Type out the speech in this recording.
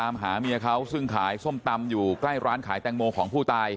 มันมียวนแกง